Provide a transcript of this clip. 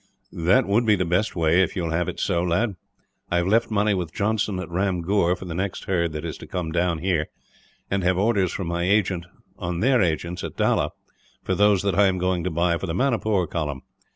"That would be the best way, if you will have it so, lad. I have left money with Johnson, at Ramgur, for the next herd that is to come down here; and have orders from my agent on their agents, at Dalla, for those that I am going to buy for the Manipur column.